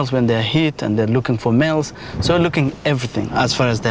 chúng tôi sẽ theo dõi những con voi ở đây